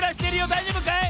だいじょうぶかい？